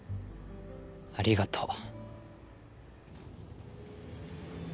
ありがとう。